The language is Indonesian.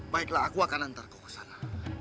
baiklah aku akan hantar kau ke sana